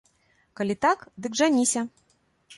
Калі так, дык жаніся.